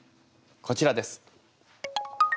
こちらです。